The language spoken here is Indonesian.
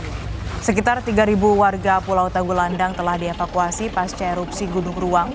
hai sekitar tiga ribu warga pulau tagulandang telah dievakuasi pasca erupsi gunung ruang